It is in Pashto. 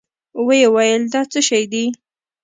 ويې ويل دا څه شې دي؟